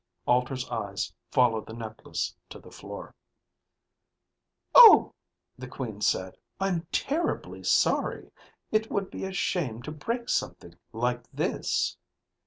Alter's eyes followed the necklace to the floor. "Oh," the Queen said. "I'm terribly sorry. It would be a shame to break something like this."